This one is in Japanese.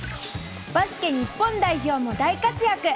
バスケ日本代表も大活躍。